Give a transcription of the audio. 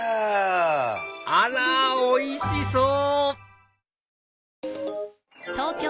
あらおいしそう！